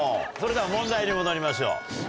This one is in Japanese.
それでは問題に戻りましょう。